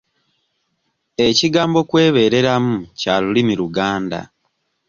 Ekigambo kwebeereramu kya lulimi Luganda.